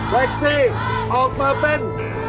แท็กซี่ออกมาเป็น